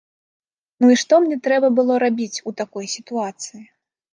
Ну і што мне трэба было рабіць у такой сітуацыі?